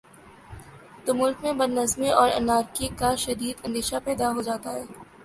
تو ملک میں بد نظمی اور انارکی کا شدید اندیشہ پیدا ہو جاتا ہے